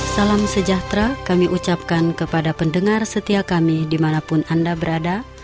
salam sejahtera kami ucapkan kepada pendengar setia kami dimanapun anda berada